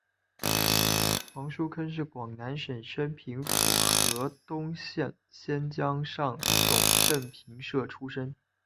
黄叔沆是广南省升平府河东县仙江上总盛平社出生。